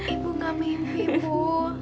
ibu gak mimpi ibu